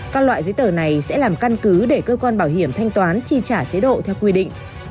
các loại giấy tờ này sẽ làm căn cứ để cơ quan bảo hiểm thanh toán chi trả chế độ theo quy định